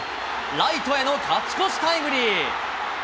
ライトへの勝ち越しタイムリー。